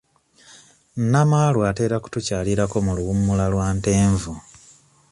Namaalwa atera kutukyalirako mu luwummula lwa Ntenvu.